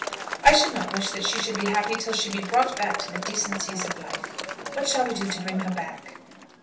"I should not wish that she should be happy till she be brought back to the decencies of life. What shall we do to bring her back?"